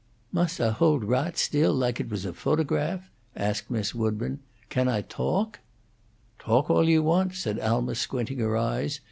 "Most Ah hold raght still like it was a photograph?" asked Miss Woodburn. "Can Ah toak?" "Talk all you want," said Alma, squinting her eyes.